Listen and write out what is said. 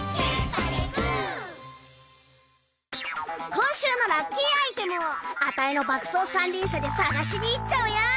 今週のラッキーアイテムをアタイの爆走三輪車で探しにいっちゃうよ。